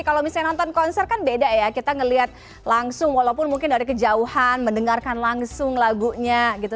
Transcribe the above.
kalau misalnya nonton konser kan beda ya kita ngeliat langsung walaupun mungkin dari kejauhan mendengarkan langsung lagunya gitu